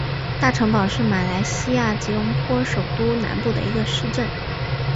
大城堡是马来西亚吉隆坡首都南部的一个市镇。